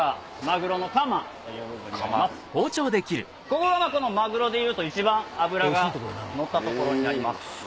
ここがマグロでいうと一番脂がのった所になります。